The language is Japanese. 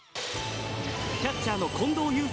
キャッチャーの近藤ゆう